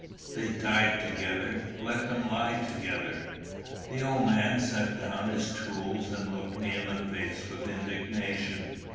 "They died together: let them lie together." The old man set down his tools, and looked me in the face with indignation.